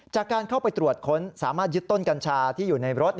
จากการเข้าไปตรวจค้นสามารถยึดต้นกัญชาที่อยู่ในรถ